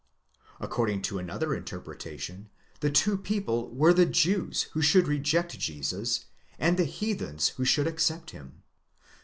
According to another interpre tation, the two people were the Jews who should reject Jesus, and the heathens who should accept him."